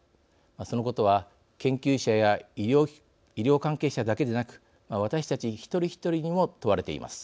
そのことは、研究者や医療関係者だけでなく私たち一人一人にも問われています。